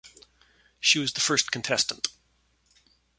She was the first contestant.